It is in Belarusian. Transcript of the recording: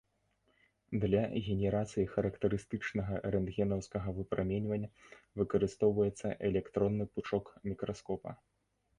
Для генерацыі характарыстычнага рэнтгенаўскага выпраменьвання выкарыстоўваецца электронны пучок мікраскопа.